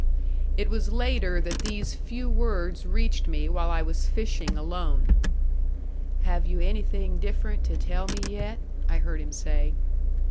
It was later that these few words reached me while I was fishing alone: "Have you anything different to tell me yet?" I heard him say.